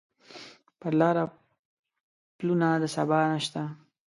پر لاره پلونه د سبا نشته